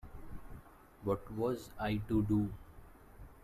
What was I to do?